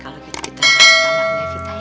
kalau gitu kita berpaham sama evita ya